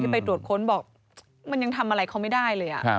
ไปตรวจค้นบอกมันยังทำอะไรเขาไม่ได้เลย